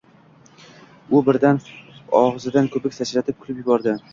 U birdan og’zidan ko’pik sachratib kulib yubordi.